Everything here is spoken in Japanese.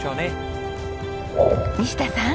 西田さん。